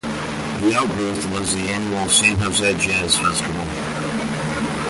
The outgrowth was the annual San Jose Jazz Festival.